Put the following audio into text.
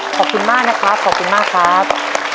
ขอบคุณมากนะครับขอบคุณมากครับ